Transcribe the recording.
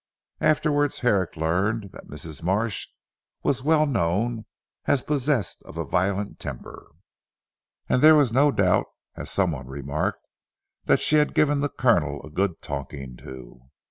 Afterwards Herrick learned that Mrs. Marsh was well known as possessed of a violent temper, and there was no doubt (as some one remarked) that she had given the Colonel a good talking to.